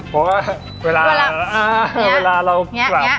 เพราะว่าเวลาเรากลับ